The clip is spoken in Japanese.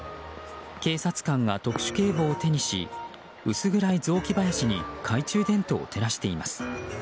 警察官が特殊警棒を手にし薄暗い雑木林に懐中電灯を照らしています。